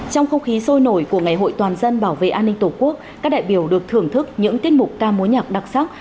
trong không khí sôi nổi của ngày hội toàn dân bảo vệ an ninh tổ quốc các đại biểu được thưởng thức những tiết mục ca mối nhạc đặc sắc